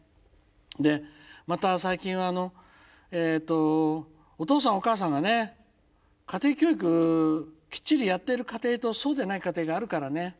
でまた最近はあのえっとお父さんお母さんがね家庭教育きっちりやってる家庭とそうでない家庭があるからね。